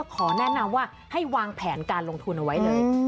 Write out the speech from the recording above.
ขอแนะนำว่าให้วางแผนการลงทุนเอาไว้เลย